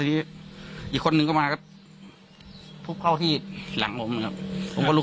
ทีอีกคนหนึ่งก็มาก็พบเข้าที่หลังผมครับผมก็ลุก